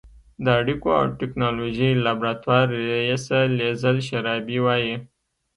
د اړیکو او ټېکنالوژۍ لابراتوار رییسه لیزل شرابي وايي